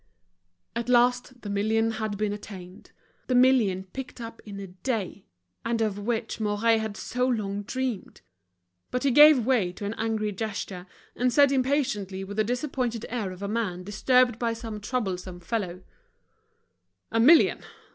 At last the million had been attained, the million picked up in a day, and of which Mouret had so long dreamed. But he gave way to an angry gesture, and said impatiently, with the disappointed air of a man disturbed by some troublesome fellow: "A million!